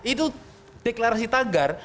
itu deklarasi tagar